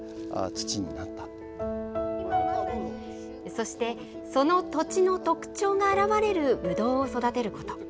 そして、その土地の特徴があらわれるぶどうを育てること。